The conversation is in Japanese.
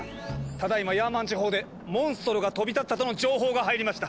ただいまヤーマン地方でモンストロが飛び立ったとの情報が入りました。